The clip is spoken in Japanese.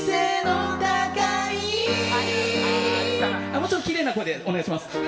もうちょっときれいな声でお願いします。